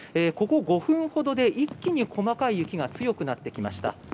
ここ５分ほどで一気に細かい雪が強くなってきました。